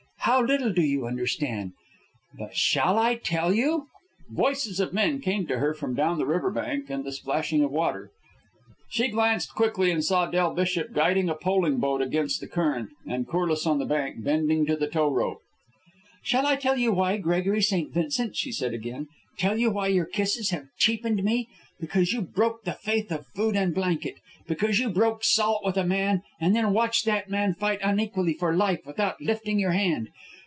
How little do you understand! But shall I tell you?" Voices of men came to her from down the river bank, and the splashing of water. She glanced quickly and saw Del Bishop guiding a poling boat against the current, and Corliss on the bank, bending to the tow rope. "Shall I tell you why, Gregory St. Vincent?" she said again. "Tell you why your kisses have cheapened me? Because you broke the faith of food and blanket. Because you broke salt with a man, and then watched that man fight unequally for life without lifting your hand.